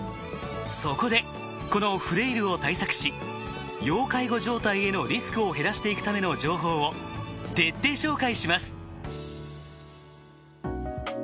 そこでこのフレイルを対策し要介護状態へのリスクを減らしていくための情報を徹底紹介します。